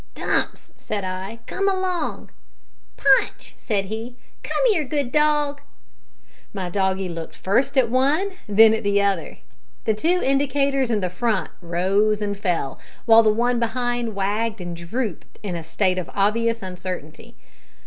"Dumps," said I, "come along!" "Punch," said he, "come here, good dog!" My doggie looked first at one, then at the other. The two indicators in front rose and fell, while the one behind wagged and drooped in a state of obvious uncertainty.